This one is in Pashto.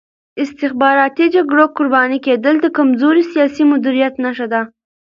د استخباراتي جګړو قرباني کېدل د کمزوري سیاسي مدیریت نښه ده.